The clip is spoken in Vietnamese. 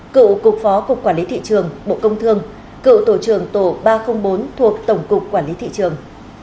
cựu cục phó cục quản lý thị trường bộ công thương cựu tổ trưởng tổ ba trăm linh bốn thuộc tổng cục quản lý thị trường